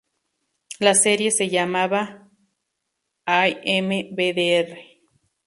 La serie se llamaba "l.m.v.d.r.